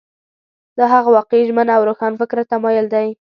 دا هغه واقعي ژمن او روښانفکره تمایل دی.